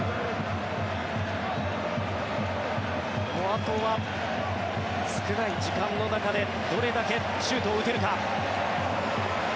あとは少ない時間の中でどれだけシュートを打てるか。